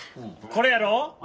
これやろ？